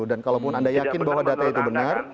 dan kalaupun anda yakin bahwa data itu benar